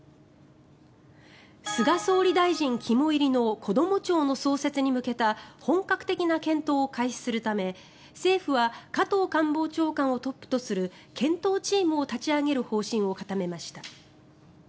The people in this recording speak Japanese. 菅総理大臣肝煎りのこども庁の創設に向けた本格的な検討を開始するため政府は加藤官房長官をトップとする検討チームを立ち上げる方針を固めました。